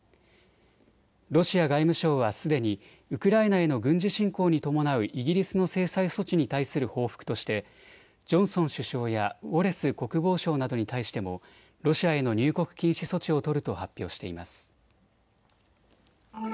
ロシア外務省はすでにウクライナへの軍事侵攻に伴うイギリスの制裁措置に対する報復としてジョンソン首相やウォレス国防相などに対してもロシアへの入国禁止措置を取ると発表しています。